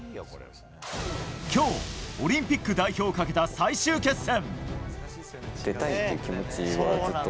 今日、オリンピック代表をかけた最終決戦。